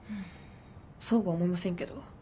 そうは思いませんけど。